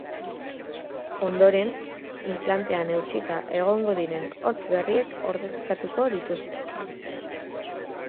Ondoren, inplantean eutsita egongo diren hortz berriek ordezkatuko dituzte.